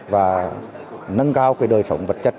và nâng cao cái đời sống vật chất